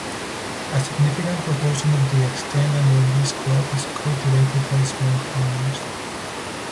A significant proportion of the extent under this crop is cultivated by smallholders.